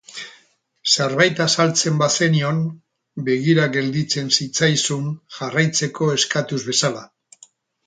Zerbait azaltzen bazenion, begira gelditzen zitzaizun, jarraitzeko eskatuz bezala.